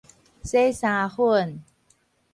洗衫粉